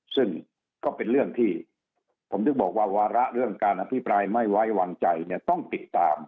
ซึ่งก็เป็นเรื่องที่ผมถึงบอกว่าวาระเรื่องการอภิปรายไม่ไว้วางใจเนี่ยต้องติดตาม